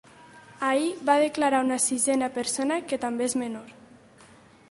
Ahir va declarar una sisena persona que també és menor.